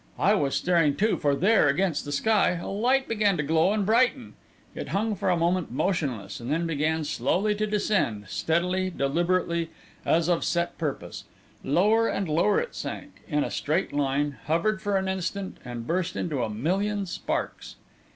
I was staring, too, for there, against the sky, a light began to glow and brighten. It hung for a moment motionless, and then began slowly to descend, steadily, deliberately, as of set purpose. Lower and lower it sank, in a straight line, hovered for an instant, and burst into a million sparks.